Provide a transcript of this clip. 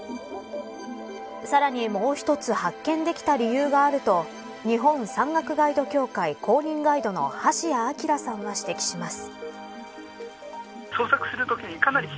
さらに、もう一つ発見できた理由があると日本山岳ガイド協会公認ガイドの橋谷晃さんは指摘します。